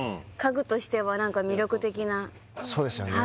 そうですよね